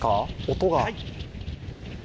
音が。